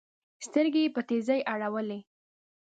سترګي یې په تېزۍ اړولې